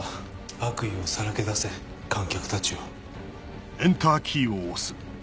悪意をさらけ出せ観客たちよ。